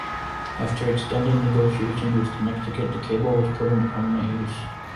After extended negotiations with Connecticut the cable was put into permanent use.